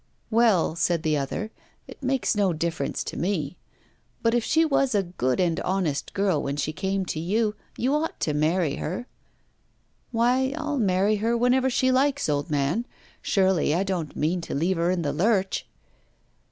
'Well,' said the other, 'it makes no difference to me; but, if she was a good and honest girl when she came to you, you ought to marry her.' 'Why, I'll marry her whenever she likes, old man. Surely I don't mean to leave her in the lurch!